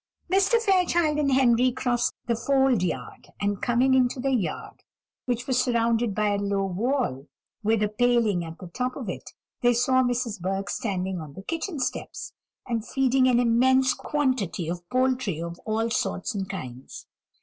Mr. Fairchild and Henry crossed the fold yard, and coming into the yard, which was surrounded by a low wall, with a paling at the top of it, they saw Mrs. Burke standing on the kitchen steps, and feeding an immense quantity of poultry of all sorts and kinds.